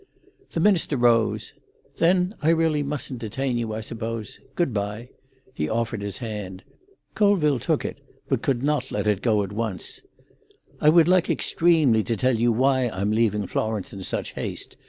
The minister rose. "Then I really mustn't detain you, I suppose. Good bye." He offered his hand. Colville took it, but could not let it go at once. "I would like extremely to tell you why I'm leaving Florence in such haste.